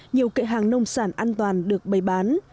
nhiều kệ hàng nông sản an toàn được bày bán